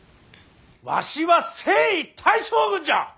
わしは征夷大将軍じゃ！